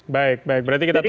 baik baik berarti kita tunggu